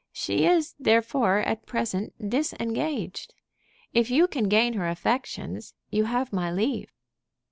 She is therefore at present disengaged. If you can gain her affections, you have my leave."